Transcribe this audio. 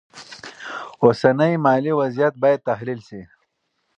اوسنی مالي وضعیت باید تحلیل شي.